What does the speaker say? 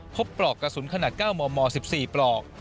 ปลอกกระสุนขนาด๙มม๑๔ปลอก